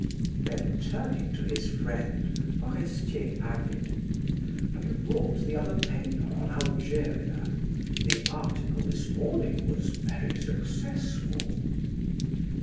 Then turning to his friend, Forestier added: "Have you brought the other paper on Algeria? The article this morning was very successful."